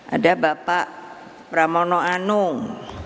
ada bapak pramono anung